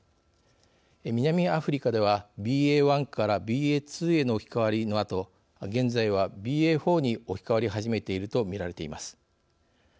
南アフリカでは、ＢＡ．１からＢＡ．２への置き換わりのあと現在はＢＡ．４に置き換わり始めていると見られています。